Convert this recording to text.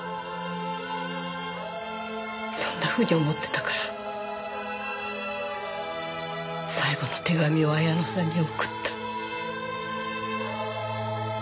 そんなふうに思ってたから最後の手紙を彩乃さんに送った。